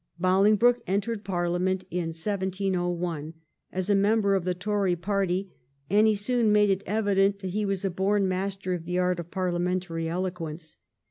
Bolingbroke entered Parliament in 1701, as a member of the Tory party, and he soon made it evident that he was a born master of the art of parliamentary eloquence.